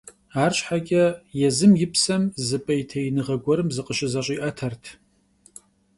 Арщхьэкӏэ езым и псэм зы пӏейтеиныгъэ гуэрым зыкъыщызэщӏиӏэтэрт.